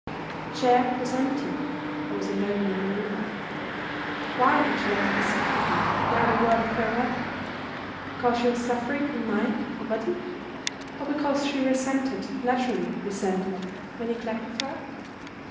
The chair was empty. I was alone in the room. Why had she left me secretly, without a word of farewell? Because she was suffering, in mind or body? Or because she resented, naturally resented, my neglect of her?